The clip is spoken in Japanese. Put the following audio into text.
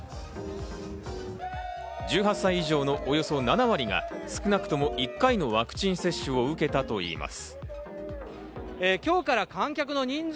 １８歳以上のおよそ７割が少なくとも１回のワクチン接種を受けたといいます。